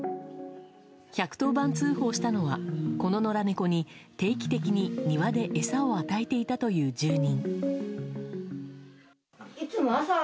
１１０番通報したのはこの野良猫に定期的に庭で餌を与えていたという住人。